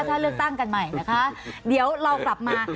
ถ้าเลือกตั้งกันใหม่นะคะเดี๋ยวเรากลับมา